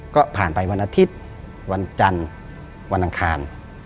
ก็ผ่านไปวันอาทิตย์วันจันทร์วันอังคาร